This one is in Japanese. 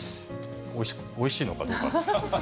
おいしいのかどうか。